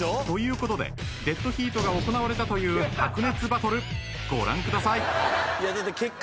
［ということでデッドヒートが行われたという白熱バトルご覧ください］